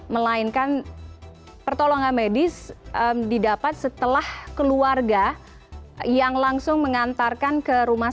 melainkan pertolongan medis didapat setelah keluarga yang langsung mengantarkan ke rumah